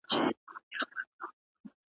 غدار دواړو ته او دوی غدار ته غله وه `